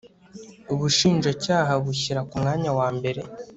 Ubushinjacyaha bushyira ku mwanya wa mbere